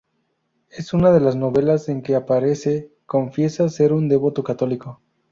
En una de las novelas en que aparece confiesa ser un devoto católico.